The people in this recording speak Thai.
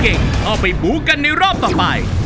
คนเก่งเอาไปบูกันในรอบต่อไป